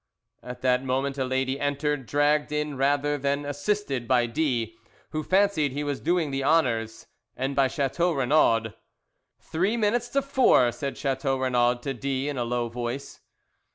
At that moment a lady entered, dragged in rather than assisted by D , who fancied he was doing the honours, and by Chateau Renaud. "Three minutes to four," said Chateau Renaud to D , in a low voice.